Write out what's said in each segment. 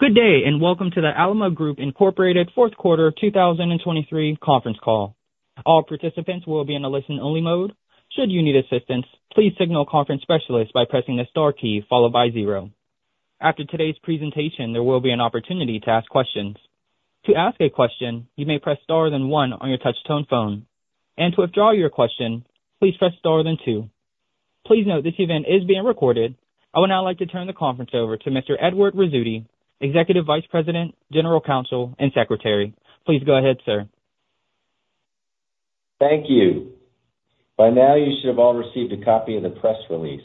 Good day and welcome to the Alamo Group Incorporated 4th quarter 2023 conference call. All participants will be in a listen-only mode. Should you need assistance, please signal conference specialist by pressing the star key followed by 0. After today's presentation, there will be an opportunity to ask questions. To ask a question, you may press star then 1 on your touch-tone phone, and to withdraw your question, please press star then 2. Please note, this event is being recorded. I would now like to turn the conference over to Mr. Edward Rizzuti, Executive Vice President, General Counsel, and Secretary. Please go ahead, sir. Thank you. By now, you should have all received a copy of the press release.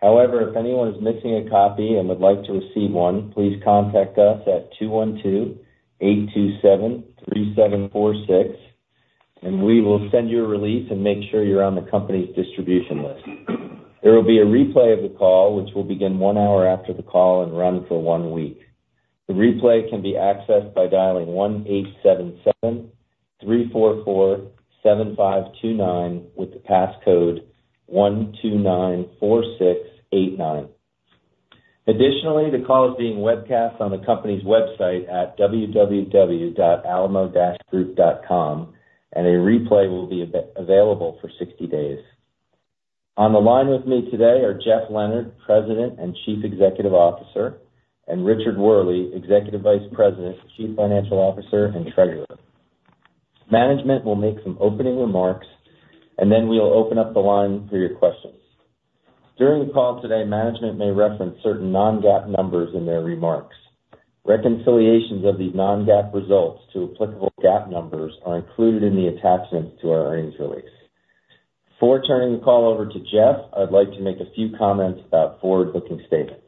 However, if anyone is missing a copy and would like to receive one, please contact us at 212-827-3746, and we will send you a release and make sure you're on the company's distribution list. There will be a replay of the call, which will begin one hour after the call and run for one week. The replay can be accessed by dialing 1-877-344-7529 with the passcode 1294689. Additionally, the call is being webcast on the company's website at www.alamo-group.com, and a replay will be available for 60 days. On the line with me today are Jeff Leonard, President and Chief Executive Officer, and Richard Wehrle, Executive Vice President, Chief Financial Officer, and Treasurer. Management will make some opening remarks, and then we'll open up the line for your questions. During the call today, management may reference certain non-GAAP numbers in their remarks. Reconciliations of these non-GAAP results to applicable GAAP numbers are included in the attachments to our earnings release. Before turning the call over to Jeff, I'd like to make a few comments about forward-looking statements.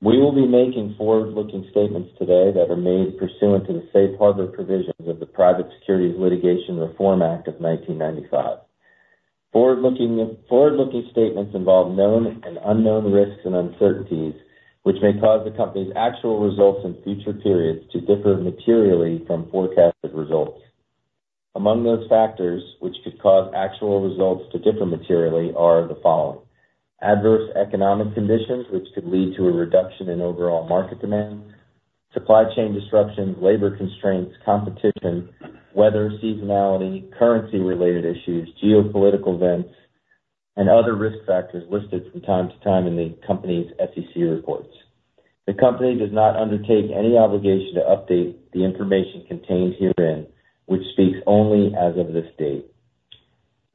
We will be making forward-looking statements today that are made pursuant to the Safe Harbor provisions of the Private Securities Litigation Reform Act of 1995. Forward-looking statements involve known and unknown risks and uncertainties, which may cause the company's actual results in future periods to differ materially from forecasted results. Among those factors which could cause actual results to differ materially are the following: adverse economic conditions, which could lead to a reduction in overall market demand, supply chain disruptions, labor constraints, competition, weather, seasonality, currency-related issues, geopolitical events, and other risk factors listed from time to time in the company's SEC reports. The company does not undertake any obligation to update the information contained herein, which speaks only as of this date.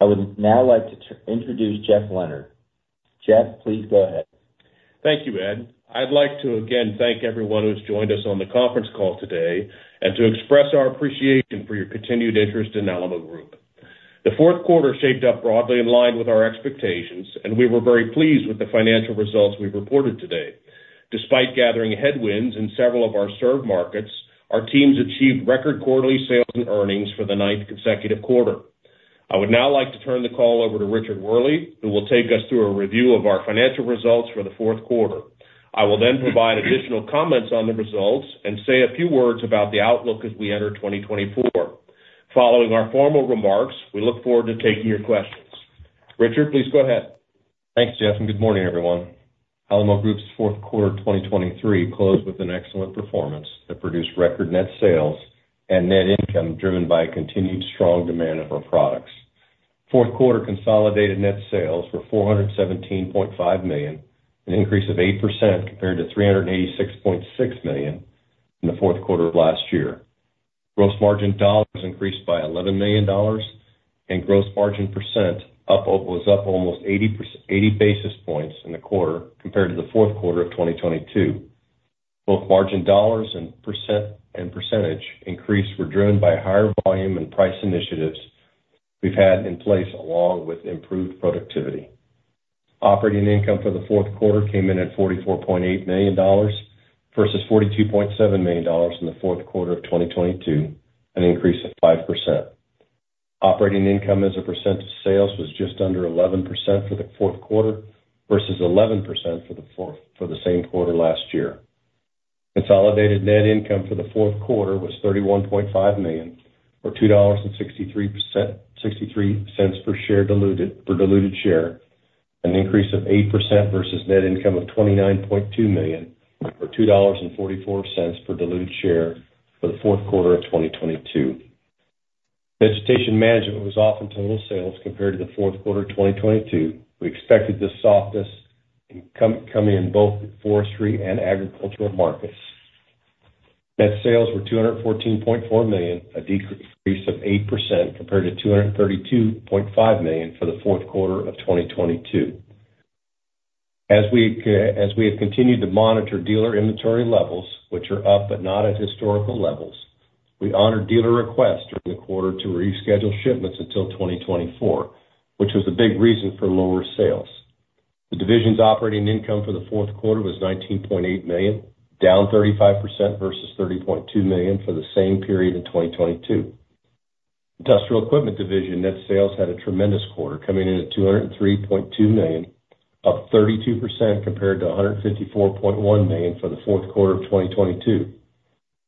I would now like to introduce Jeff Leonard. Jeff, please go ahead. Thank you, Ed. I'd like to, again, thank everyone who's joined us on the conference call today and to express our appreciation for your continued interest in Alamo Group. The fourth quarter shaped up broadly in line with our expectations, and we were very pleased with the financial results we've reported today. Despite gathering headwinds in several of our served markets, our teams achieved record quarterly sales and earnings for the ninth consecutive quarter. I would now like to turn the call over to Richard Wehrle, who will take us through a review of our financial results for the fourth quarter. I will then provide additional comments on the results and say a few words about the outlook as we enter 2024. Following our formal remarks, we look forward to taking your questions. Richard, please go ahead. Thanks, Jeff, and good morning, everyone. Alamo Group's fourth quarter 2023 closed with an excellent performance that produced record net sales and net income driven by continued strong demand of our products. Fourth quarter consolidated net sales were $417.5 million, an increase of 8% compared to $386.6 million in the fourth quarter of last year. Gross margin dollars increased by $11 million, and gross margin percent was up almost 80 basis points in the quarter compared to the fourth quarter of 2022. Both margin dollars and percentage increase were driven by higher volume and price initiatives we've had in place along with improved productivity. Operating income for the fourth quarter came in at $44.8 million versus $42.7 million in the fourth quarter of 2022, an increase of 5%. Operating income as a percent of sales was just under 11% for the fourth quarter versus 11% for the same quarter last year. Consolidated net income for the fourth quarter was $31.5 million or $2.63 per share diluted share, an increase of 8% versus net income of $29.2 million or $2.44 per diluted share for the fourth quarter of 2022. Vegetation management was off in total sales compared to the fourth quarter of 2022. We expected this softness coming in both forestry and agricultural markets. Net sales were $214.4 million, a decrease of 8% compared to $232.5 million for the fourth quarter of 2022. As we have continued to monitor dealer inventory levels, which are up but not at historical levels, we honored dealer requests during the quarter to reschedule shipments until 2024, which was a big reason for lower sales. The division's operating income for the fourth quarter was $19.8 million, down 35% versus $30.2 million for the same period in 2022. Industrial equipment division net sales had a tremendous quarter, coming in at $203.2 million, up 32% compared to $154.1 million for the fourth quarter of 2022.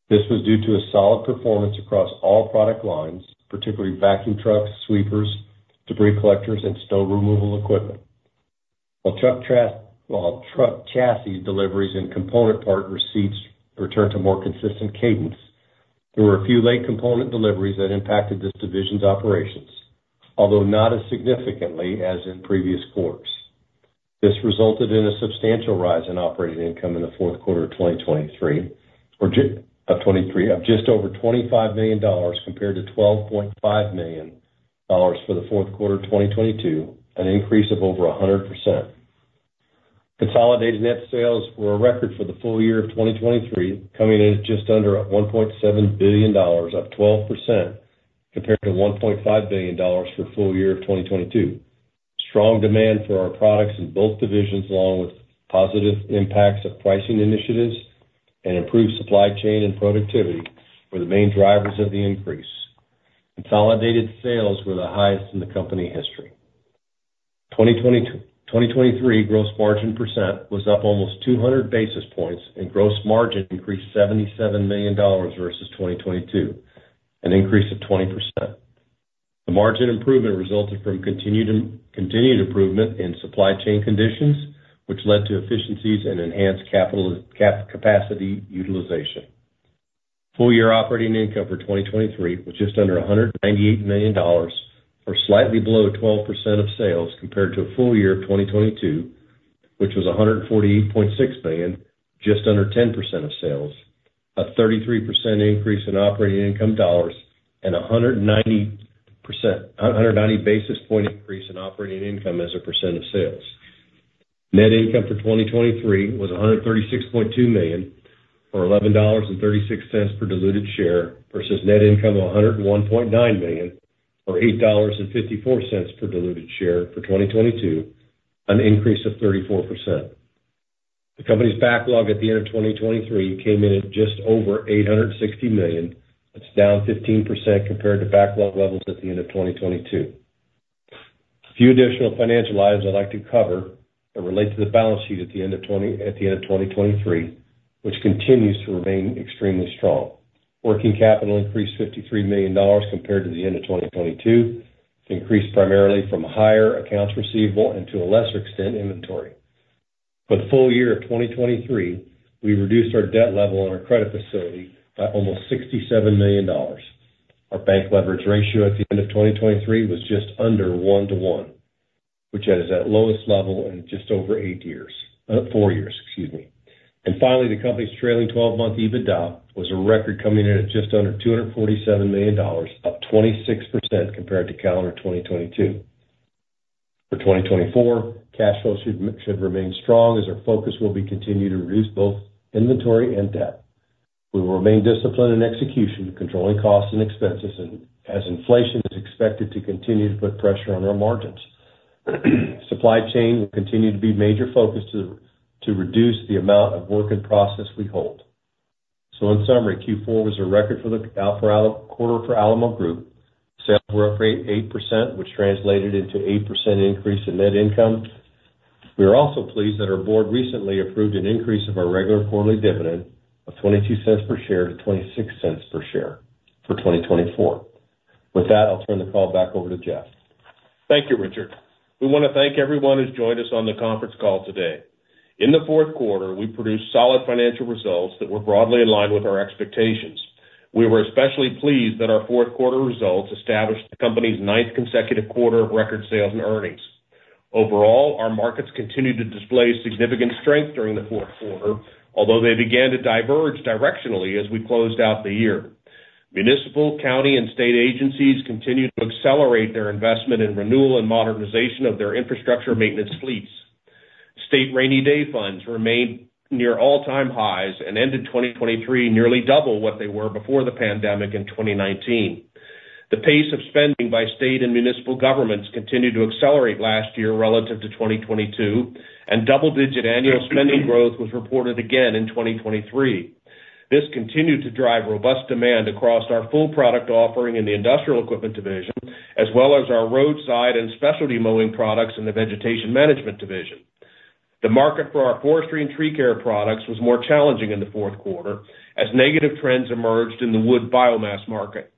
This was due to a solid performance across all product lines, particularly vacuum trucks, sweepers, debris collectors, and snow removal equipment. While truck chassis deliveries and component part receipts returned to more consistent cadence, there were a few late component deliveries that impacted this division's operations, although not as significantly as in previous quarters. This resulted in a substantial rise in operating income in the fourth quarter of 2023 of just over $25 million compared to $12.5 million for the fourth quarter of 2022, an increase of over 100%. Consolidated net sales were a record for the full year of 2023, coming in at just under $1.7 billion, up 12% compared to $1.5 billion for the full year of 2022. Strong demand for our products in both divisions, along with positive impacts of pricing initiatives and improved supply chain and productivity, were the main drivers of the increase. Consolidated sales were the highest in the company history. 2023 gross margin percent was up almost 200 basis points, and gross margin increased $77 million versus 2022, an increase of 20%. The margin improvement resulted from continued improvement in supply chain conditions, which led to efficiencies and enhanced capacity utilization. Full year operating income for 2023 was just under $198 million or slightly below 12% of sales compared to a full year of 2022, which was $148.6 million, just under 10% of sales, a 33% increase in operating income dollars, and a 190 basis point increase in operating income as a percent of sales. Net income for 2023 was $136.2 million or $11.36 per diluted share versus net income of $101.9 million or $8.54 per diluted share for 2022, an increase of 34%. The company's backlog at the end of 2023 came in at just over $860 million. That's down 15% compared to backlog levels at the end of 2022. A few additional financial items I'd like to cover that relate to the balance sheet at the end of 2023, which continues to remain extremely strong. Working capital increased $53 million compared to the end of 2022, increased primarily from higher accounts receivable and to a lesser extent inventory. For the full year of 2023, we reduced our debt level on our credit facility by almost $67 million. Our bank leverage ratio at the end of 2023 was just under 1:1, which is at lowest level in just over eight years four years, excuse me. And finally, the company's trailing 12-month EBITDA was a record, coming in at just under $247 million, up 26% compared to calendar 2022. For 2024, cash flow should remain strong as our focus will be continued to reduce both inventory and debt. We will remain disciplined in execution, controlling costs and expenses as inflation is expected to continue to put pressure on our margins. Supply chain will continue to be a major focus to reduce the amount of work in process we hold. In summary, Q4 was a record for the quarter for Alamo Group. Sales were up 8%, which translated into an 8% increase in net income. We are also pleased that our board recently approved an increase of our regular quarterly dividend of $0.22-$0.26 per share for 2024. With that, I'll turn the call back over to Jeff. Thank you, Richard. We want to thank everyone who's joined us on the conference call today. In the fourth quarter, we produced solid financial results that were broadly in line with our expectations. We were especially pleased that our fourth quarter results established the company's ninth consecutive quarter of record sales and earnings. Overall, our markets continued to display significant strength during the fourth quarter, although they began to diverge directionally as we closed out the year. Municipal, county, and state agencies continued to accelerate their investment in renewal and modernization of their infrastructure maintenance fleets. State Rainy Day funds remained near all-time highs and ended 2023 nearly double what they were before the pandemic in 2019. The pace of spending by state and municipal governments continued to accelerate last year relative to 2022, and double-digit annual spending growth was reported again in 2023. This continued to drive robust demand across our full product offering in the industrial equipment division, as well as our roadside and specialty mowing products in the vegetation management division. The market for our forestry and tree care products was more challenging in the fourth quarter as negative trends emerged in the wood biomass market.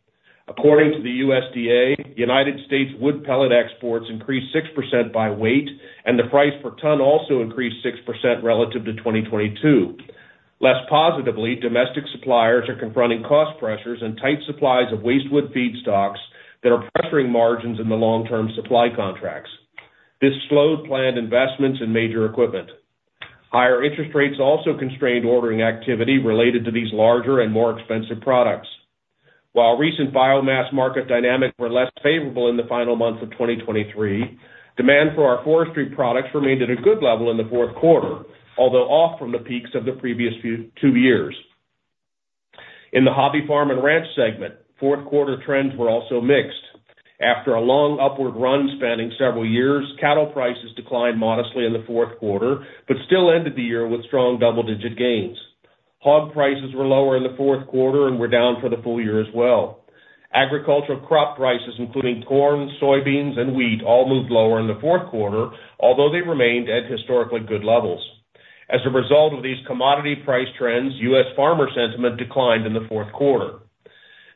According to the USDA, United States wood pellet exports increased 6% by weight, and the price per ton also increased 6% relative to 2022. Less positively, domestic suppliers are confronting cost pressures and tight supplies of wastewood feedstocks that are pressuring margins in the long-term supply contracts. This slowed planned investments in major equipment. Higher interest rates also constrained ordering activity related to these larger and more expensive products. While recent biomass market dynamics were less favorable in the final months of 2023, demand for our forestry products remained at a good level in the fourth quarter, although off from the peaks of the previous two years. In the hobby farm and ranch segment, fourth quarter trends were also mixed. After a long upward run spanning several years, cattle prices declined modestly in the fourth quarter but still ended the year with strong double-digit gains. Hog prices were lower in the fourth quarter and were down for the full year as well. Agricultural crop prices, including corn, soybeans, and wheat, all moved lower in the fourth quarter, although they remained at historically good levels. As a result of these commodity price trends, U.S. farmer sentiment declined in the fourth quarter.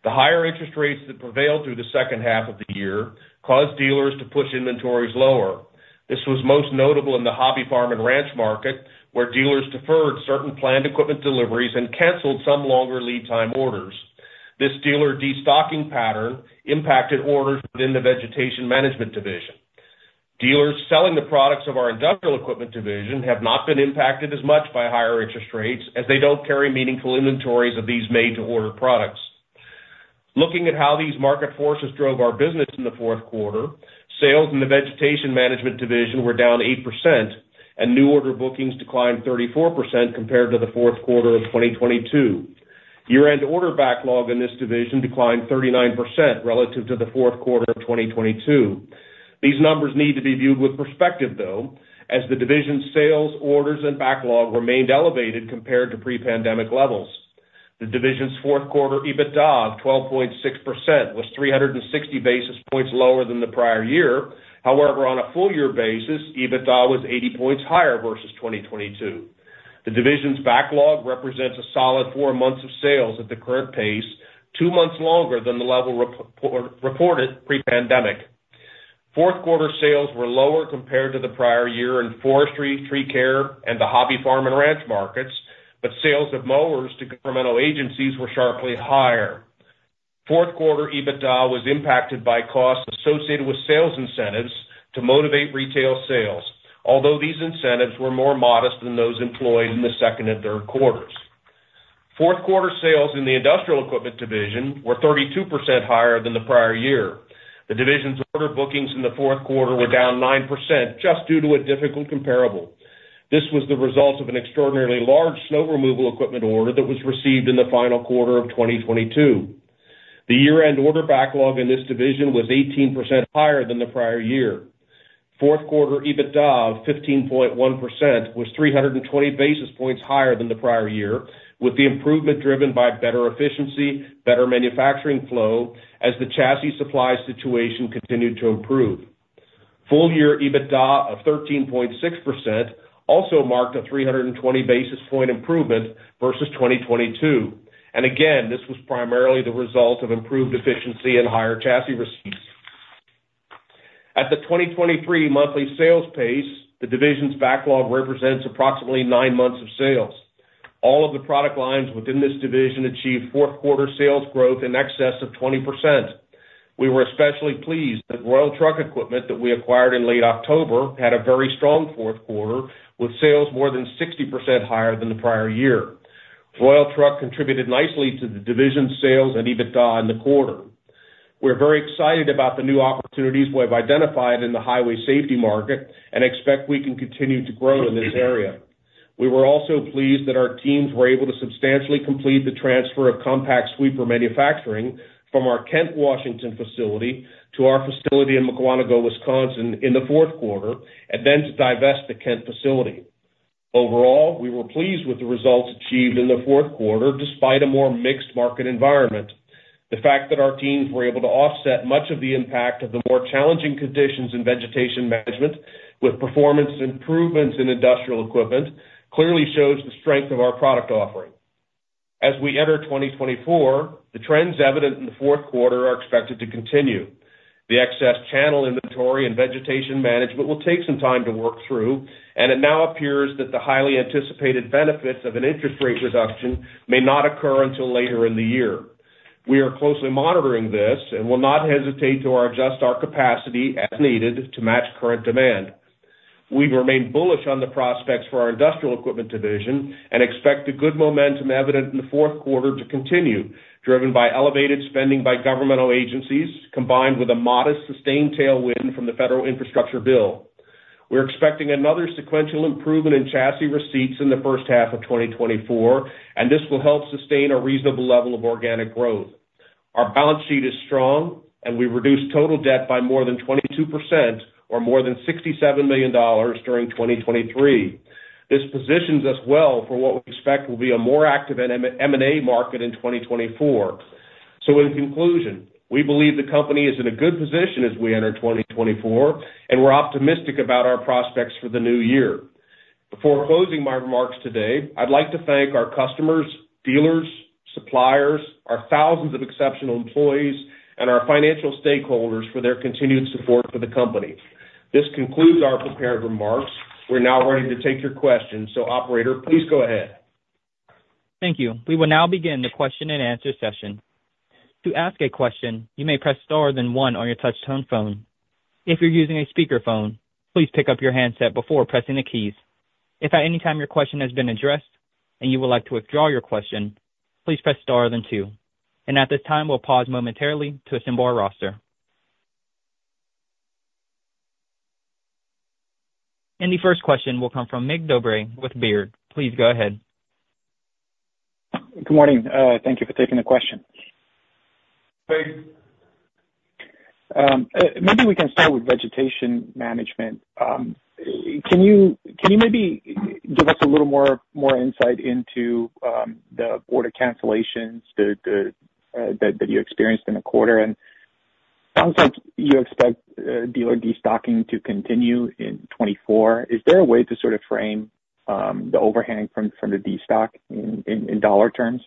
The higher interest rates that prevailed through the second half of the year caused dealers to push inventories lower. This was most notable in the hobby farm and ranch market, where dealers deferred certain planned equipment deliveries and canceled some longer lead-time orders. This dealer destocking pattern impacted orders within the vegetation management division. Dealers selling the products of our industrial equipment division have not been impacted as much by higher interest rates as they don't carry meaningful inventories of these made-to-order products. Looking at how these market forces drove our business in the fourth quarter, sales in the vegetation management division were down 8%, and new order bookings declined 34% compared to the fourth quarter of 2022. Year-end order backlog in this division declined 39% relative to the fourth quarter of 2022. These numbers need to be viewed with perspective, though, as the division's sales, orders, and backlog remained elevated compared to pre-pandemic levels. The division's fourth quarter EBITDA of 12.6% was 360 basis points lower than the prior year. However, on a full-year basis, EBITDA was 80 points higher versus 2022. The division's backlog represents a solid four months of sales at the current pace, two months longer than the level reported pre-pandemic. Fourth quarter sales were lower compared to the prior year in forestry, tree care, and the hobby farm and ranch markets, but sales of mowers to governmental agencies were sharply higher. Fourth quarter EBITDA was impacted by costs associated with sales incentives to motivate retail sales, although these incentives were more modest than those employed in the second and third quarters. Fourth quarter sales in the industrial equipment division were 32% higher than the prior year. The division's order bookings in the fourth quarter were down 9% just due to a difficult comparable. This was the result of an extraordinarily large snow removal equipment order that was received in the final quarter of 2022. The year-end order backlog in this division was 18% higher than the prior year. Fourth quarter EBITDA of 15.1% was 320 basis points higher than the prior year, with the improvement driven by better efficiency, better manufacturing flow, as the chassis supply situation continued to improve. Full-year EBITDA of 13.6% also marked a 320 basis point improvement versus 2022. And again, this was primarily the result of improved efficiency and higher chassis receipts. At the 2023 monthly sales pace, the division's backlog represents approximately nine months of sales. All of the product lines within this division achieved fourth quarter sales growth in excess of 20%. We were especially pleased that Royal Truck Equipment that we acquired in late October had a very strong fourth quarter, with sales more than 60% higher than the prior year. Royal Truck contributed nicely to the division's sales and EBITDA in the quarter. We're very excited about the new opportunities we have identified in the highway safety market and expect we can continue to grow in this area. We were also pleased that our teams were able to substantially complete the transfer of compact sweeper manufacturing from our Kent, Washington facility to our facility in Mukwonago, Wisconsin, in the fourth quarter, and then to divest the Kent facility. Overall, we were pleased with the results achieved in the fourth quarter despite a more mixed market environment. The fact that our teams were able to offset much of the impact of the more challenging conditions in vegetation management with performance improvements in industrial equipment clearly shows the strength of our product offering. As we enter 2024, the trends evident in the fourth quarter are expected to continue. The excess channel inventory and vegetation management will take some time to work through, and it now appears that the highly anticipated benefits of an interest rate reduction may not occur until later in the year. We are closely monitoring this and will not hesitate to adjust our capacity as needed to match current demand. We remain bullish on the prospects for our industrial equipment division and expect a good momentum evident in the fourth quarter to continue, driven by elevated spending by governmental agencies combined with a modest sustained tailwind from the federal infrastructure bill. We're expecting another sequential improvement in chassis receipts in the first half of 2024, and this will help sustain a reasonable level of organic growth. Our balance sheet is strong, and we reduced total debt by more than 22% or more than $67 million during 2023. This positions us well for what we expect will be a more active M&A market in 2024. In conclusion, we believe the company is in a good position as we enter 2024, and we're optimistic about our prospects for the new year. Before closing my remarks today, I'd like to thank our customers, dealers, suppliers, our thousands of exceptional employees, and our financial stakeholders for their continued support for the company. This concludes our prepared remarks. We're now ready to take your questions. Operator, please go ahead. Thank you. We will now begin the question-and-answer session. To ask a question, you may press star, then one on your touch-tone phone. If you're using a speakerphone, please pick up your handset before pressing the keys. If at any time your question has been addressed and you would like to withdraw your question, please press star, then two. At this time, we'll pause momentarily to assemble our roster. The first question will come from Mircea Dobre with Baird. Please go ahead. Good morning. Thank you for taking the question. Hey. Maybe we can start with vegetation management. Can you maybe give us a little more insight into the order cancellations that you experienced in the quarter? And it sounds like you expect dealer destocking to continue in 2024. Is there a way to sort of frame the overhang from the destock in dollar terms?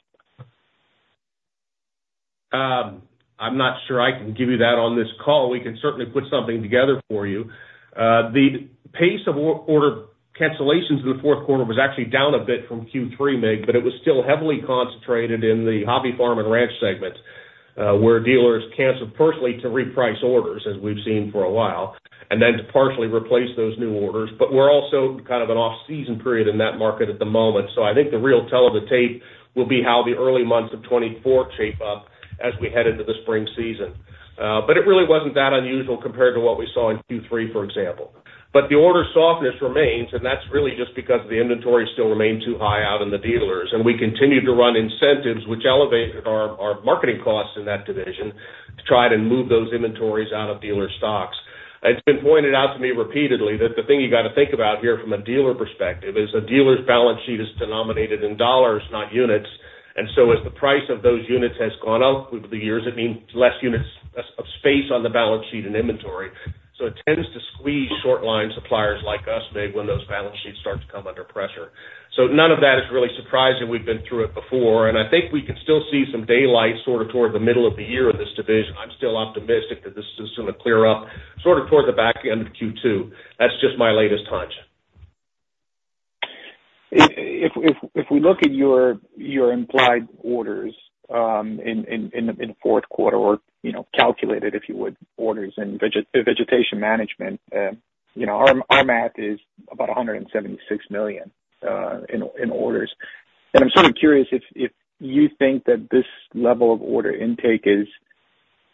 I'm not sure I can give you that on this call. We can certainly put something together for you. The pace of order cancellations in the fourth quarter was actually down a bit from Q3, Mig, but it was still heavily concentrated in the hobby farm and ranch segment, where dealers cancel personally to reprice orders, as we've seen for a while, and then to partially replace those new orders. But we're also kind of an off-season period in that market at the moment. So I think the real tell of the tape will be how the early months of 2024 shape up as we head into the spring season. But it really wasn't that unusual compared to what we saw in Q3, for example. But the order softness remains, and that's really just because the inventory still remained too high out in the dealers. And we continued to run incentives, which elevated our marketing costs in that division to try to move those inventories out of dealer stocks. It's been pointed out to me repeatedly that the thing you got to think about here from a dealer perspective is a dealer's balance sheet is denominated in dollars, not units. And so as the price of those units has gone up over the years, it means less units of space on the balance sheet in inventory. So it tends to squeeze short-line suppliers like us, Mig, when those balance sheets start to come under pressure. So none of that is really surprising. We've been through it before. And I think we can still see some daylight sort of toward the middle of the year in this division. I'm still optimistic that this is going to clear up sort of toward the back end of Q2. That's just my latest hunch. If we look at your implied orders in the fourth quarter, or calculated, if you would, orders in vegetation management, our math is about $176 million in orders. And I'm sort of curious if you think that this level of order intake is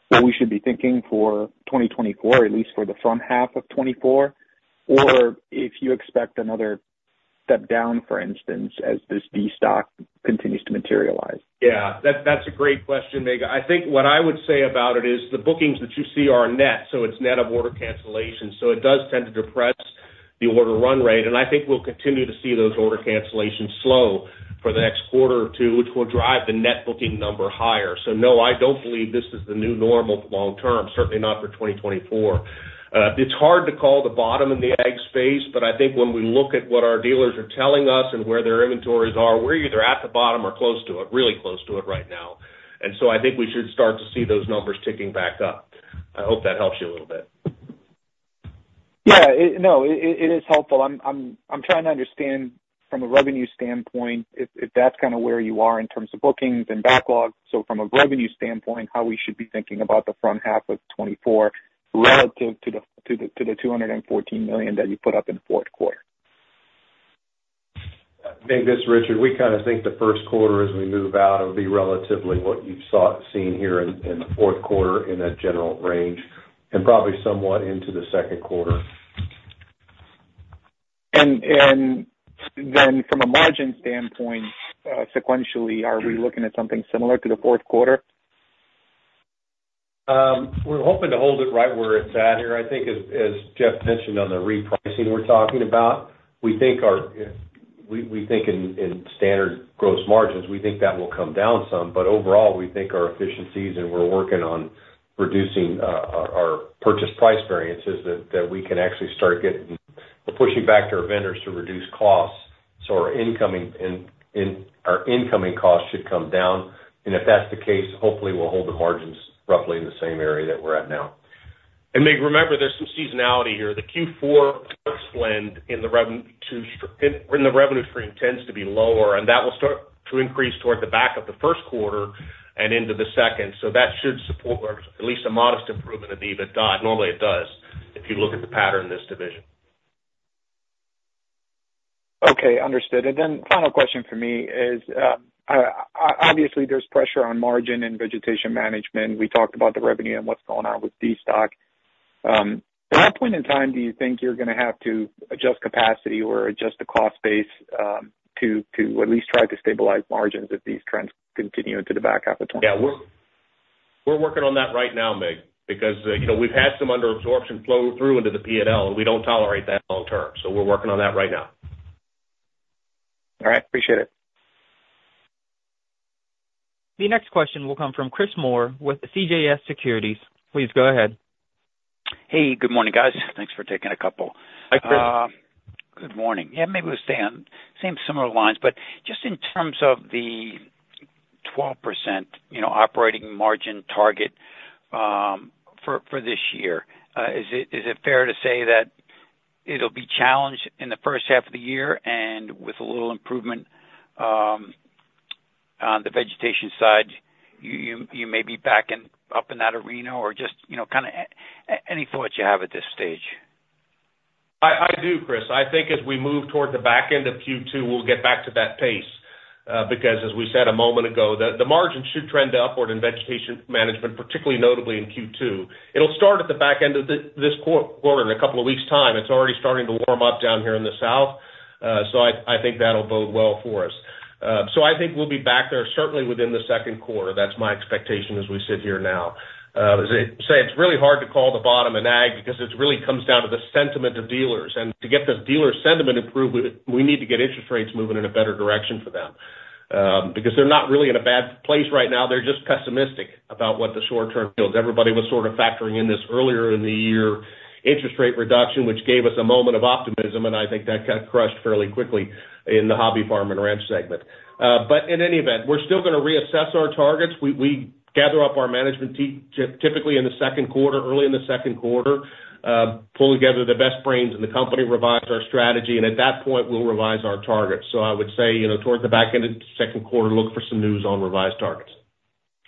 what we should be thinking for 2024, at least for the front half of 2024, or if you expect another step down, for instance, as this destock continues to materialize. Yeah. That's a great question, Mircea. I think what I would say about it is the bookings that you see are net. So it's net of order cancellations. So it does tend to depress the order run rate. And I think we'll continue to see those order cancellations slow for the next quarter or two, which will drive the net booking number higher. So no, I don't believe this is the new normal long-term, certainly not for 2024. It's hard to call the bottom in the ag space, but I think when we look at what our dealers are telling us and where their inventories are, we're either at the bottom or close to it, really close to it right now. And so I think we should start to see those numbers ticking back up. I hope that helps you a little bit. Yeah. No, it is helpful. I'm trying to understand from a revenue standpoint if that's kind of where you are in terms of bookings and backlog. So from a revenue standpoint, how we should be thinking about the front half of 2024 relative to the $214 million that you put up in the fourth quarter. Mig, this is Richard. We kind of think the first quarter, as we move out, will be relatively what you've seen here in the fourth quarter in that general range and probably somewhat into the second quarter. Then from a margin standpoint, sequentially, are we looking at something similar to the fourth quarter? We're hoping to hold it right where it's at here. I think, as Jeff mentioned on the repricing, we're talking about, we think in standard gross margins, we think that will come down some. But overall, we think our efficiencies and we're working on reducing our purchase price variances that we can actually start getting, we're pushing back to our vendors to reduce costs. So our incoming costs should come down. And if that's the case, hopefully, we'll hold the margins roughly in the same area that we're at now. Mircea, remember, there's some seasonality here. The Q4 flex spend in the revenue stream tends to be lower, and that will start to increase toward the back of the first quarter and into the second. So that should support at least a modest improvement in the EBITDA. Normally, it does if you look at the pattern in this division. Okay. Understood. And then final question for me is, obviously, there's pressure on margin and vegetation management. We talked about the revenue and what's going on with destock. At that point in time, do you think you're going to have to adjust capacity or adjust the cost base to at least try to stabilize margins if these trends continue into the back half of 2024? Yeah. We're working on that right now, Mircea, because we've had some underabsorption flow through into the P&L, and we don't tolerate that long-term. So we're working on that right now. All right. Appreciate it. The next question will come from Chris Moore with CJS Securities. Please go ahead. Hey. Good morning, guys. Thanks for taking a couple. Hi, Chris. Good morning. Yeah. Maybe we'll stay on same similar lines. But just in terms of the 12% operating margin target for this year, is it fair to say that it'll be challenged in the first half of the year and with a little improvement on the vegetation side? You may be back up in that arena or just kind of any thoughts you have at this stage. I do, Chris. I think as we move toward the back end of Q2, we'll get back to that pace because, as we said a moment ago, the margins should trend upward in vegetation management, particularly notably in Q2. It'll start at the back end of this quarter in a couple of weeks' time. It's already starting to warm up down here in the south, so I think that'll bode well for us. So I think we'll be back there, certainly within the second quarter. That's my expectation as we sit here now. As I say, it's really hard to call the bottom exact because it really comes down to the sentiment of dealers. And to get this dealer sentiment improved, we need to get interest rates moving in a better direction for them because they're not really in a bad place right now. They're just pessimistic about what the short-term yields. Everybody was sort of factoring in this earlier in the year interest rate reduction, which gave us a moment of optimism, and I think that got crushed fairly quickly in the hobby farm and ranch segment. But in any event, we're still going to reassess our targets. We gather up our management team, typically in the second quarter, early in the second quarter, pull together the best brains in the company, revise our strategy, and at that point, we'll revise our targets. So I would say toward the back end of the second quarter, look for some news on revised targets.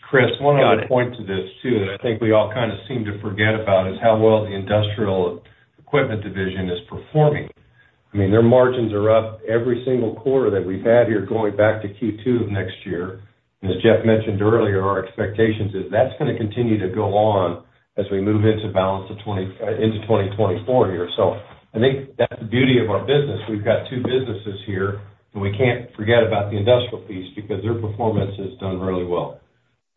Chris, one other point to this too that I think we all kind of seem to forget about is how well the industrial equipment division is performing. I mean, their margins are up every single quarter that we've had here going back to Q2 of next year. And as Jeff mentioned earlier, our expectations is that's going to continue to go on as we move into balance into 2024 here. So I think that's the beauty of our business. We've got two businesses here, and we can't forget about the industrial piece because their performance has done really well.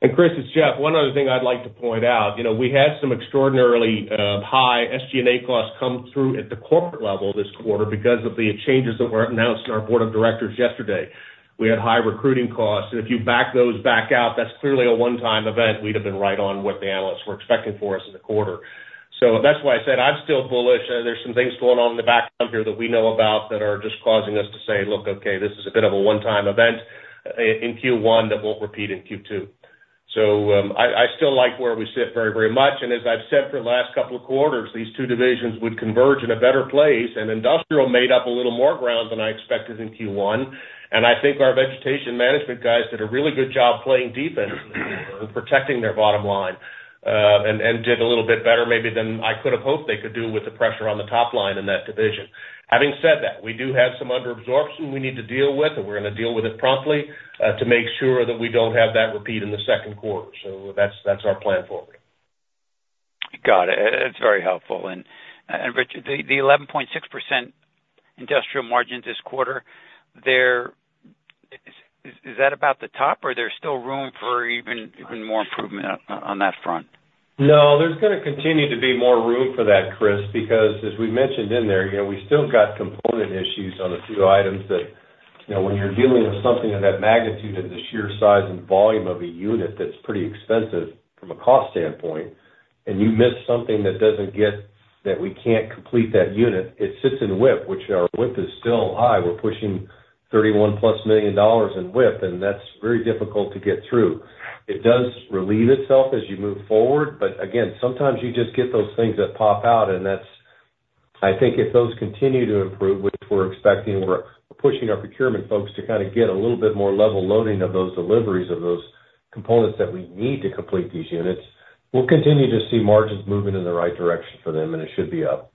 And Chris, it's Jeff. One other thing I'd like to point out, we had some extraordinarily high SG&A costs come through at the corporate level this quarter because of the changes that were announced in our board of directors yesterday. We had high recruiting costs. If you back those back out, that's clearly a one-time event. We'd have been right on what the analysts were expecting for us in the quarter. So that's why I said I'm still bullish. There's some things going on in the background here that we know about that are just causing us to say, "Look, okay, this is a bit of a one-time event in Q1 that won't repeat in Q2." So I still like where we sit very, very much. As I've said for the last couple of quarters, these two divisions would converge in a better place. Industrial made up a little more ground than I expected in Q1. I think our vegetation management guys did a really good job playing defense in the quarter and protecting their bottom line and did a little bit better maybe than I could have hoped they could do with the pressure on the top line in that division. Having said that, we do have some underabsorption we need to deal with, and we're going to deal with it promptly to make sure that we don't have that repeat in the second quarter. That's our plan forward. Got it. That's very helpful. Richard, the 11.6% industrial margins this quarter, is that about the top, or there's still room for even more improvement on that front? No, there's going to continue to be more room for that, Chris, because as we mentioned in there, we still got component issues on a few items that when you're dealing with something of that magnitude and the sheer size and volume of a unit that's pretty expensive from a cost standpoint, and you miss something that we can't complete that unit, it sits in WIP, which our WIP is still high. We're pushing $31+ million in WIP, and that's very difficult to get through. It does relieve itself as you move forward. But again, sometimes you just get those things that pop out, and I think if those continue to improve, which we're expecting, we're pushing our procurement folks to kind of get a little bit more level loading of those deliveries of those components that we need to complete these units. We'll continue to see margins moving in the right direction for them, and it should be up.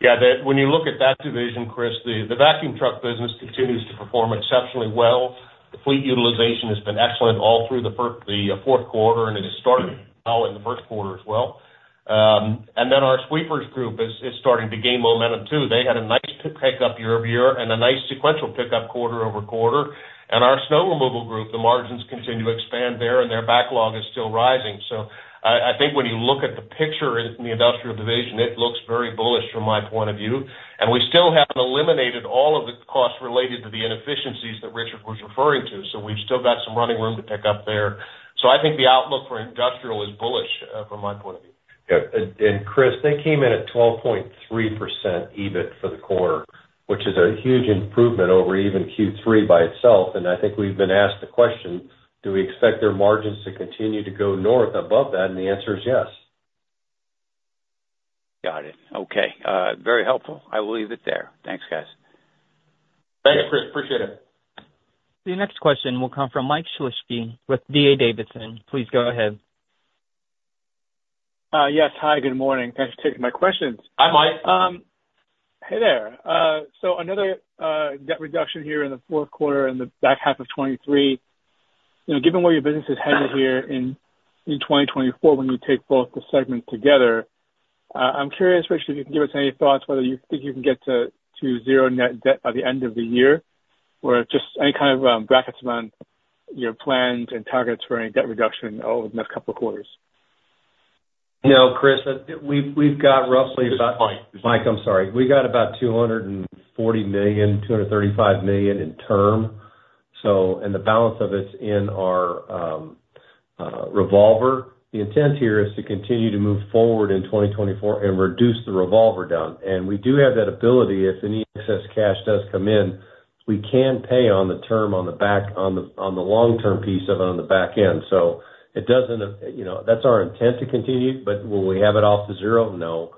Yeah. When you look at that division, Chris, the vacuum truck business continues to perform exceptionally well. The fleet utilization has been excellent all through the fourth quarter, and it is starting now in the first quarter as well. And then our sweepers group is starting to gain momentum too. They had a nice pickup year-over-year and a nice sequential pickup quarter-over-quarter. And our snow removal group, the margins continue to expand there, and their backlog is still rising. So I think when you look at the picture in the industrial division, it looks very bullish from my point of view. And we still haven't eliminated all of the costs related to the inefficiencies that Richard was referring to. So we've still got some running room to pick up there. So I think the outlook for industrial is bullish from my point of view. Yeah. And Chris, they came in at 12.3% EBIT for the quarter, which is a huge improvement over even Q3 by itself. And I think we've been asked the question, "Do we expect their margins to continue to go north above that?" And the answer is yes. Got it. Okay. Very helpful. I will leave it there. Thanks, guys. Thanks, Chris. Appreciate it. The next question will come from Mike Shlisky with D.A. Davidson. Please go ahead. Yes. Hi. Good morning. Thanks for taking my questions. Hi, Mike. Hey there. So another net reduction here in the fourth quarter and the back half of 2023. Given where your business is headed here in 2024 when you take both the segments together, I'm curious, Richard, if you can give us any thoughts, whether you think you can get to zero net debt by the end of the year or just any kind of brackets around your plans and targets for any debt reduction over the next couple of quarters. No, Chris. We've got roughly about. This is Mike. Mike, I'm sorry. We got about $240 million, $235 million in term, and the balance of it's in our revolver. The intent here is to continue to move forward in 2024 and reduce the revolver down. We do have that ability. If any excess cash does come in, we can pay on the term on the long-term piece of it on the back end. So that's our intent to continue. But will we have it off to zero? No.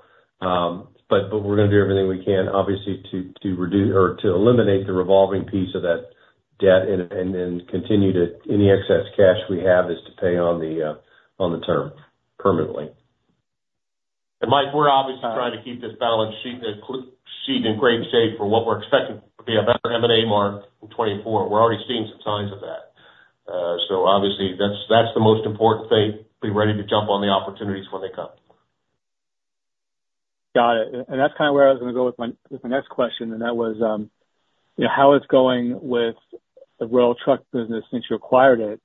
But we're going to do everything we can, obviously, to eliminate the revolving piece of that debt and then continue to any excess cash we have is to pay on the term permanently. Mike, we're obviously trying to keep this balance sheet in great shape for what we're expecting to be a better M&A market in 2024. We're already seeing some signs of that. Obviously, that's the most important thing. Be ready to jump on the opportunities when they come. Got it. And that's kind of where I was going to go with my next question, and that was how it's going with the Royal Truck business since you acquired it.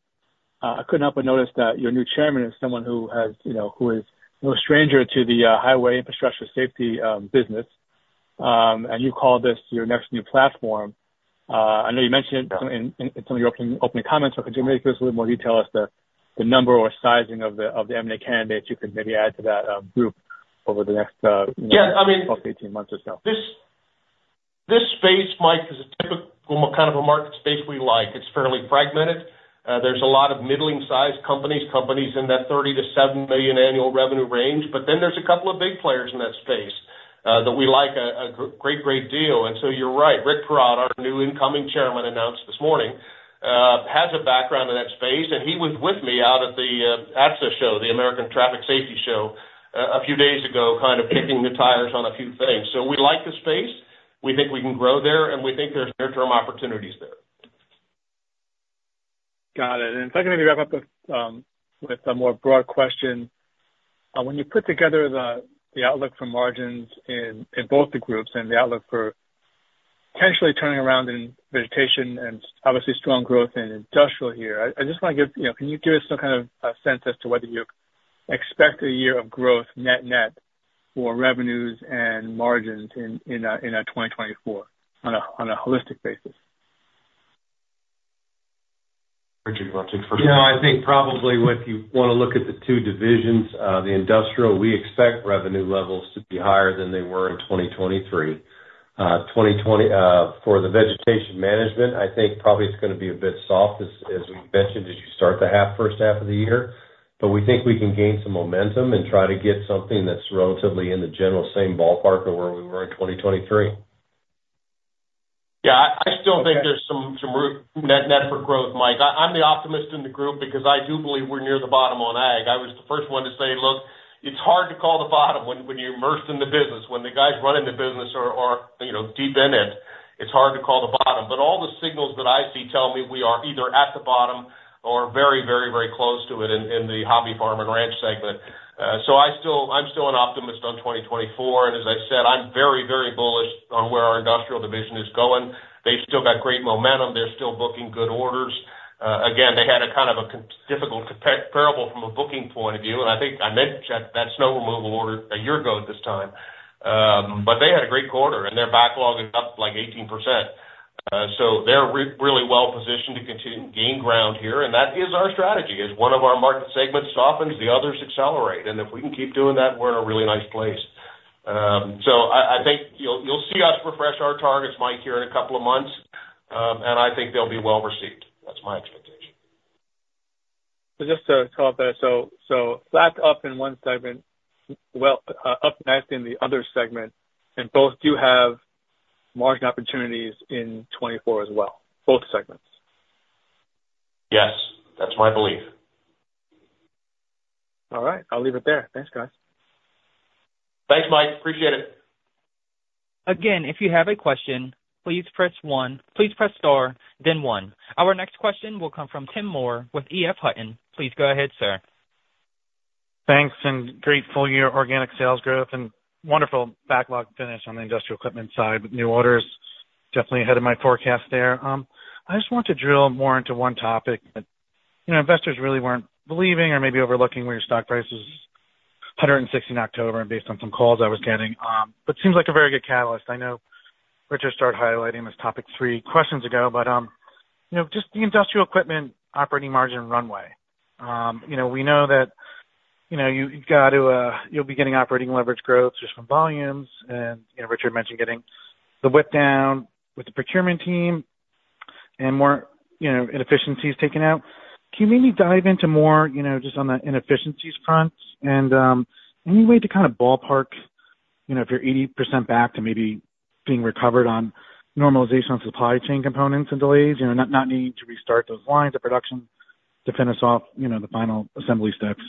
I couldn't help but notice that your new chairman is someone who is no stranger to the highway infrastructure safety business, and you call this your next new platform. I know you mentioned it in some of your opening comments. So could you maybe give us a little more detail as to the number or sizing of the M&A candidates you could maybe add to that group over the next 12-18 months or so? Yeah. I mean. This space, Mike, is a typical kind of a market space we like. It's fairly fragmented. There's a lot of middling-sized companies, companies in that $30 million-$70 million annual revenue range. But then there's a couple of big players in that space that we like a great, great deal. And so you're right. Rick Parod, our new incoming chairman, announced this morning, has a background in that space. And he was with me out at the ATSSA show, the American Traffic Safety Show, a few days ago, kind of kicking the tires on a few things. So we like the space. We think we can grow there, and we think there's near-term opportunities there. Got it. And if I can maybe wrap up with a more broad question, when you put together the outlook for margins in both the groups and the outlook for potentially turning around in vegetation and obviously strong growth in industrial here, can you give us some kind of a sense as to whether you expect a year of growth net-net for revenues and margins in 2024 on a holistic basis? Richard, you want to take the first question? Yeah. I think probably if you want to look at the two divisions, the industrial, we expect revenue levels to be higher than they were in 2023. For the vegetation management, I think probably it's going to be a bit soft, as we mentioned, as you start the first half of the year. But we think we can gain some momentum and try to get something that's relatively in the general same ballpark of where we were in 2023. Yeah. I still think there's some net-net for growth, Mike. I'm the optimist in the group because I do believe we're near the bottom on ag. I was the first one to say, "Look, it's hard to call the bottom when you're immersed in the business. When the guys running the business are deep in it, it's hard to call the bottom." But all the signals that I see tell me we are either at the bottom or very, very, very close to it in the hobby farm and ranch segment. So I'm still an optimist on 2024. And as I said, I'm very, very bullish on where our industrial division is going. They've still got great momentum. They're still booking good orders. Again, they had kind of a difficult comparable from a booking point of view. I think I mentioned that snow removal order a year ago at this time. They had a great quarter, and their backlog is up like 18%. They're really well positioned to continue to gain ground here. That is our strategy. As one of our market segments softens, the others accelerate. If we can keep doing that, we're in a really nice place. I think you'll see us refresh our targets, Mike, here in a couple of months, and I think they'll be well received. That's my expectation. So just to call off there, so flat up in one segment, up nice in the other segment, and both do have margin opportunities in 2024 as well, both segments. Yes. That's my belief. All right. I'll leave it there. Thanks, guys. Thanks, Mike. Appreciate it. Again, if you have a question, please press 1. Please press star, then 1. Our next question will come from Tim Moore with EF Hutton. Please go ahead, sir. Thanks and grateful for your organic sales growth and wonderful backlog finish on the industrial equipment side. New orders definitely ahead of my forecast there. I just want to drill more into one topic that investors really weren't believing or maybe overlooking where your stock price was $160 in October based on some calls I was getting, but seems like a very good catalyst. I know Richard started highlighting this topic three questions ago, but just the industrial equipment operating margin runway. We know that you've got to you'll be getting operating leverage growth just from volumes. Richard mentioned getting the WIP down with the procurement team and more inefficiencies taken out. Can you maybe dive into more just on the inefficiencies front and any way to kind of ballpark if you're 80% back to maybe being recovered on normalization on supply chain components and delays, not needing to restart those lines of production to finish off the final assembly steps?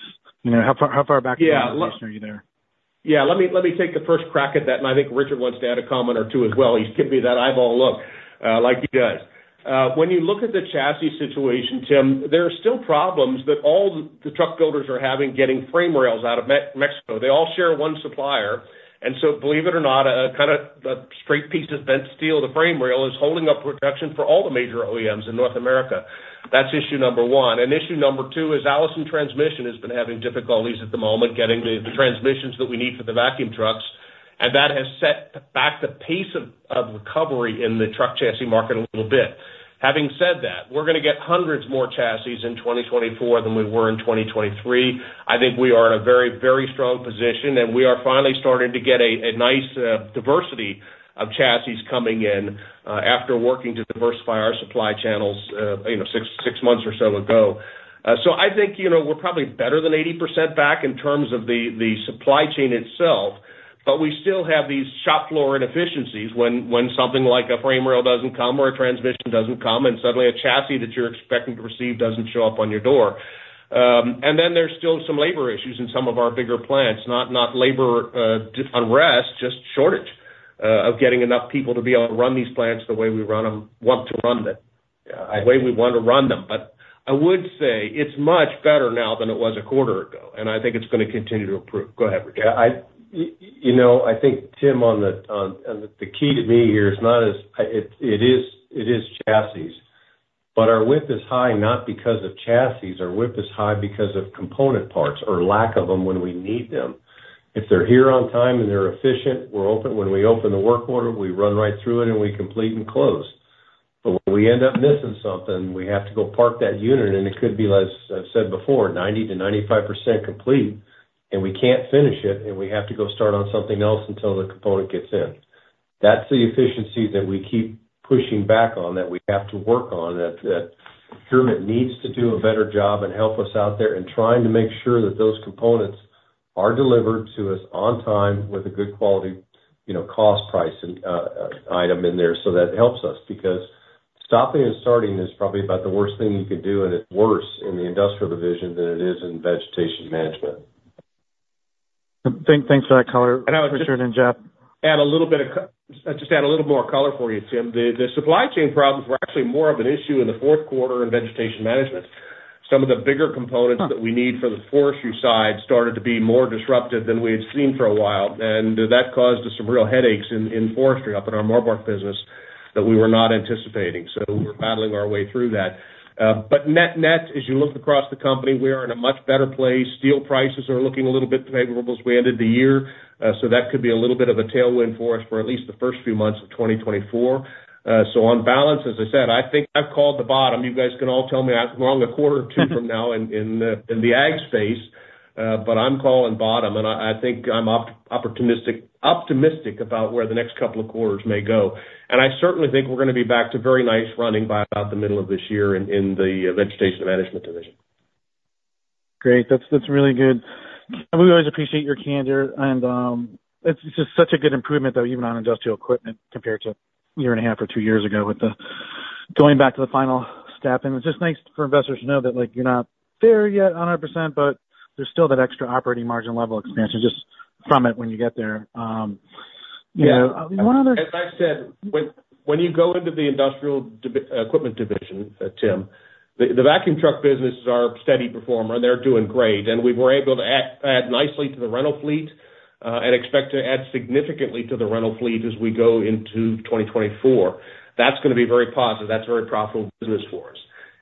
How far back in that position are you there? Yeah. Let me take the first crack at that. And I think Richard wants to add a comment or two as well. He's giving me that eyeball look like he does. When you look at the chassis situation, Tim, there are still problems that all the truck builders are having getting frame rails out of Mexico. They all share one supplier. And so believe it or not, kind of the straight piece of bent steel, the frame rail, is holding up production for all the major OEMs in North America. That's issue number one. And issue number two is Allison Transmission has been having difficulties at the moment getting the transmissions that we need for the vacuum trucks. And that has set back the pace of recovery in the truck chassis market a little bit. Having said that, we're going to get hundreds more chassis in 2024 than we were in 2023. I think we are in a very, very strong position, and we are finally starting to get a nice diversity of chassis coming in after working to diversify our supply channels six months or so ago. So I think we're probably better than 80% back in terms of the supply chain itself, but we still have these shop floor inefficiencies when something like a frame rail doesn't come or a transmission doesn't come, and suddenly a chassis that you're expecting to receive doesn't show up on your door. And then there's still some labor issues in some of our bigger plants, not labor unrest, just shortage of getting enough people to be able to run these plants the way we want to run them, the way we want to run them. But I would say it's much better now than it was a quarter ago, and I think it's going to continue to improve. Go ahead, Richard. Yeah. I think, Tim, the key to me here is not as it is chassis. But our WIP is high not because of chassis. Our WIP is high because of component parts or lack of them when we need them. If they're here on time and they're efficient, when we open the work order, we run right through it, and we complete and close. But when we end up missing something, we have to go park that unit, and it could be less, as I've said before, 90%-95% complete, and we can't finish it, and we have to go start on something else until the component gets in. That's the efficiency that we keep pushing back on, that we have to work on, that procurement needs to do a better job and help us out there in trying to make sure that those components are delivered to us on time with a good quality cost price item in there. So that helps us because stopping and starting is probably about the worst thing you can do, and it's worse in the industrial division than it is in vegetation management. Thanks for that color, Richard and Jeff. Add a little bit of just add a little more color for you, Tim. The supply chain problems were actually more of an issue in the fourth quarter in vegetation management. Some of the bigger components that we need for the forestry side started to be more disruptive than we had seen for a while. And that caused some real headaches in forestry up in our Morbark business that we were not anticipating. So we're battling our way through that. But net-net, as you look across the company, we are in a much better place. Steel prices are looking a little bit favorable as we ended the year. So that could be a little bit of a tailwind for us for at least the first few months of 2024. So on balance, as I said, I think I've called the bottom. You guys can all tell me I'm wrong a quarter or two from now in the ag space, but I'm calling bottom. And I think I'm optimistic about where the next couple of quarters may go. And I certainly think we're going to be back to very nice running by about the middle of this year in the vegetation management division. Great. That's really good. We always appreciate your candor. It's just such a good improvement, though, even on industrial equipment compared to a year and a half or two years ago with going back to the final step. It's just nice for investors to know that you're not there yet 100%, but there's still that extra operating margin level expansion just from it when you get there. One other. As I said, when you go into the industrial equipment division, Tim, the vacuum truck business is our steady performer, and they're doing great. We were able to add nicely to the rental fleet and expect to add significantly to the rental fleet as we go into 2024. That's going to be very positive. That's a very profitable business for us.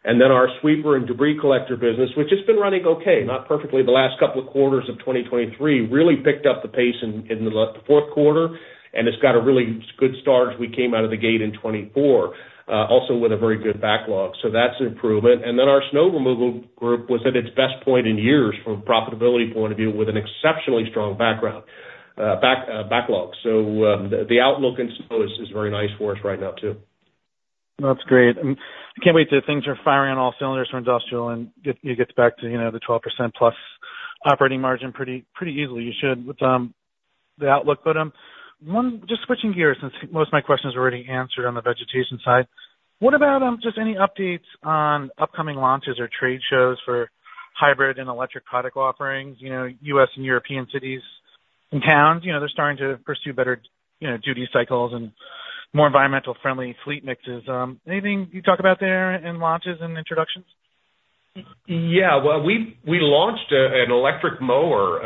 Our sweeper and debris collector business, which has been running okay, not perfectly the last couple of quarters of 2023, really picked up the pace in the fourth quarter, and it's got a really good start as we came out of the gate in 2024, also with a very good backlog. That's an improvement. Our snow removal group was at its best point in years from a profitability point of view with an exceptionally strong backlog. The outlook and snow is very nice for us right now too. That's great. And I can't wait till things are firing on all cylinders for industrial, and it gets back to the 12%-plus operating margin pretty easily, you should, with the outlook for them. Just switching gears since most of my questions are already answered on the vegetation side, what about just any updates on upcoming launches or trade shows for hybrid and electric product offerings, US and European cities and towns? They're starting to pursue better duty cycles and more environmentally-friendly fleet mixes. Anything you talk about there in launches and introductions? Yeah. Well, we launched an electric mower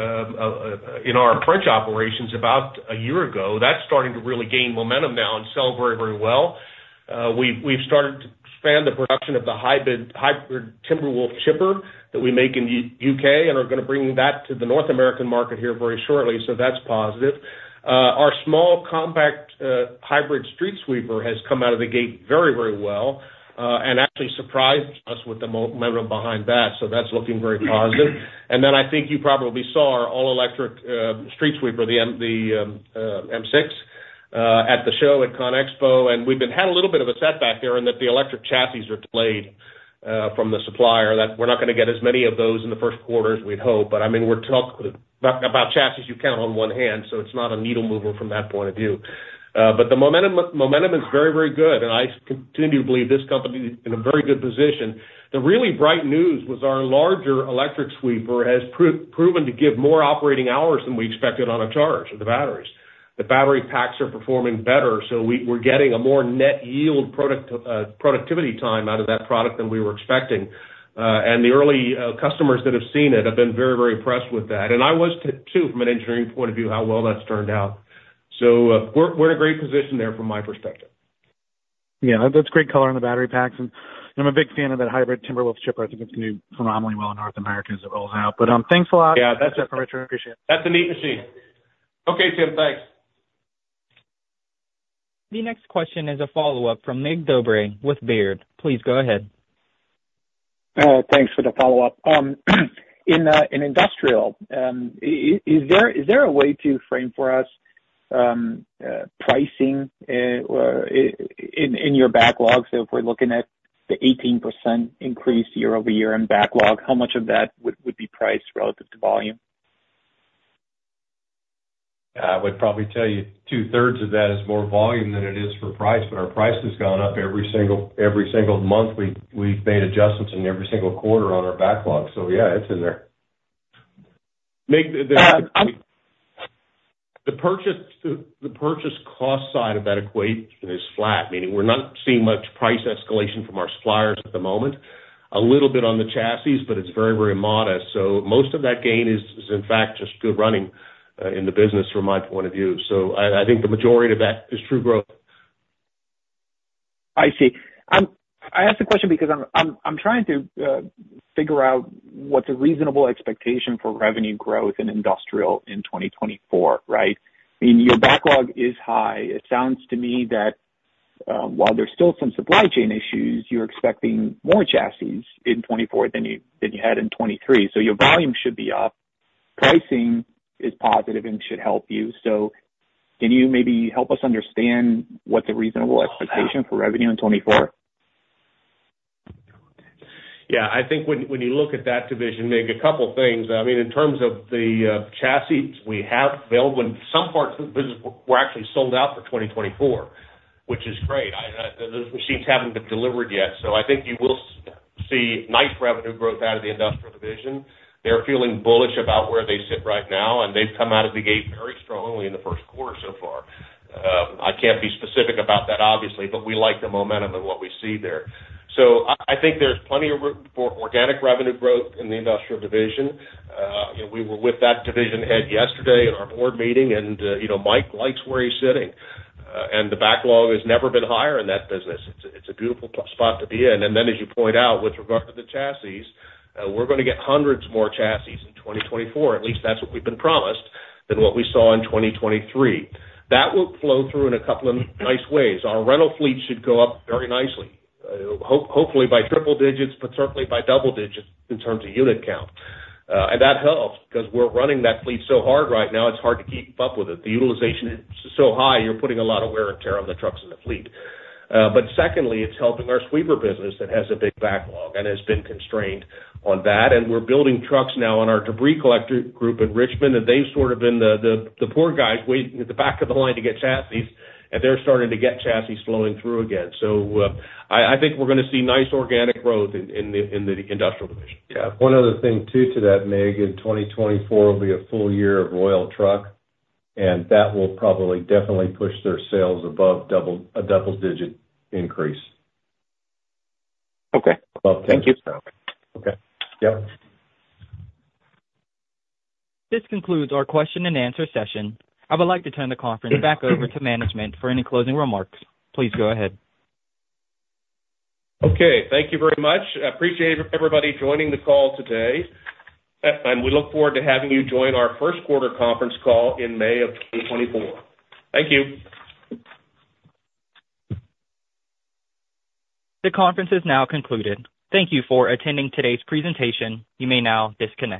in our French operations about a year ago. That's starting to really gain momentum now and sell very, very well. We've started to expand the production of the hybrid Timberwolf chipper that we make in the UK and are going to bring that to the North American market here very shortly. So that's positive. Our small compact hybrid street sweeper has come out of the gate very, very well and actually surprised us with the momentum behind that. So that's looking very positive. And then I think you probably saw our all-electric street sweeper, the M6, at the show at CONExpo. And we've had a little bit of a setback there in that the electric chassis are delayed from the supplier. We're not going to get as many of those in the first quarters as we'd hope. But I mean, we're talking about chassis you count on one hand, so it's not a needle mover from that point of view. But the momentum is very, very good, and I continue to believe this company is in a very good position. The really bright news was our larger electric sweeper has proven to give more operating hours than we expected on a charge of the batteries. The battery packs are performing better, so we're getting a more net yield productivity time out of that product than we were expecting. And the early customers that have seen it have been very, very impressed with that. And I was too, from an engineering point of view, how well that's turned out. So we're in a great position there from my perspective. Yeah. That's great color on the battery packs. And I'm a big fan of that hybrid Timberwolf chipper. I think it's going to do phenomenally well in North America as it rolls out. But thanks a lot. Yeah. That's a neat machine. Okay, Tim. Thanks. The next question is a follow-up from Mircea Dobre with Baird. Please go ahead. Thanks for the follow-up. In industrial, is there a way to frame for us pricing in your backlog? So if we're looking at the 18% increase year-over-year in backlog, how much of that would be priced relative to volume? I would probably tell you two-thirds of that is more volume than it is for price. But our price has gone up every single month. We've made adjustments in every single quarter on our backlog. So yeah, it's in there. The purchase cost side of that equation is flat, meaning we're not seeing much price escalation from our suppliers at the moment. A little bit on the chassis, but it's very, very modest. So most of that gain is, in fact, just good running in the business from my point of view. So I think the majority of that is true growth. I see. I asked the question because I'm trying to figure out what's a reasonable expectation for revenue growth in industrial in 2024, right? I mean, your backlog is high. It sounds to me that while there's still some supply chain issues, you're expecting more chassis in 2024 than you had in 2023. So your volume should be up. Pricing is positive and should help you. So can you maybe help us understand what's a reasonable expectation for revenue in 2024? Yeah. I think when you look at that division, Mircea, a couple of things. I mean, in terms of the chassis we have available, some parts of the business were actually sold out for 2024, which is great. Those machines haven't been delivered yet. So I think you will see nice revenue growth out of the industrial division. They're feeling bullish about where they sit right now, and they've come out of the gate very strongly in the first quarter so far. I can't be specific about that, obviously, but we like the momentum and what we see there. So I think there's plenty of room for organic revenue growth in the industrial division. We were with that division head yesterday at our board meeting, and Mike likes where he's sitting. And the backlog has never been higher in that business. It's a beautiful spot to be in. And then, as you point out, with regard to the chassis, we're going to get hundreds more chassis in 2024. At least that's what we've been promised than what we saw in 2023. That will flow through in a couple of nice ways. Our rental fleet should go up very nicely, hopefully by triple digits, but certainly by double digits in terms of unit count. And that helps because we're running that fleet so hard right now, it's hard to keep up with it. The utilization is so high, you're putting a lot of wear and tear on the trucks in the fleet. But secondly, it's helping our sweeper business that has a big backlog and has been constrained on that. We're building trucks now on our debris collector group in Richmond, and they've sort of been the poor guys waiting at the back of the line to get chassis. They're starting to get chassis flowing through again. So I think we're going to see nice organic growth in the industrial division. Yeah. One other thing too to that, Mircea, in 2024 will be a full year of Royal Truck, and that will probably definitely push their sales above a double-digit increase, above 10%. Okay. Thank you. Okay. Yep. This concludes our question-and-answer session. I would like to turn the conference back over to management for any closing remarks. Please go ahead. Okay. Thank you very much. I appreciate everybody joining the call today. We look forward to having you join our first-quarter conference call in May of 2024. Thank you. The conference is now concluded. Thank you for attending today's presentation. You may now disconnect.